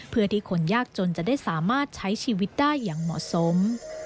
เพื่อที่คนยากจนจะได้สามารถใช้ชีวิตได้อย่างเหมาะสม